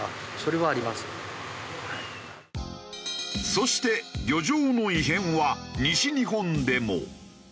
そして漁場の異変は西日本でも。